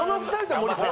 森さん